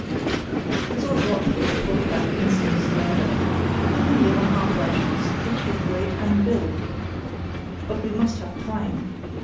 It's all rot what they talk about instant surrender. We can live on half rations, recuperate, and build; but we must have time.